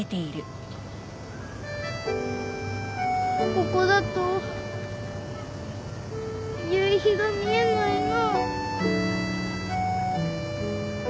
ここだと夕日が見えないな。